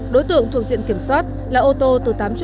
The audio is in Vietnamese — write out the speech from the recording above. đối tượng thuộc diện kiểm soát là ô tô từ tám mươi